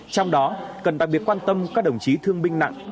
trong đó cần đặc biệt quan tâm các đồng chí thương binh nặng